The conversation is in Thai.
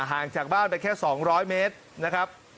ห่างจากบ้านไปแค่๒๐๐เมตรนะครับ